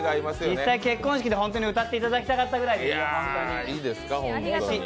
実際、結婚式で本当に歌っていただきたかったぐらいですよ。